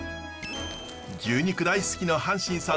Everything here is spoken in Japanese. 牛肉大好きの阪神さん